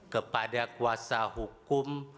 kepada kuasa hukum